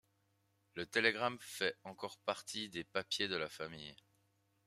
Le télégramme fait encore partie des papiers de la famille.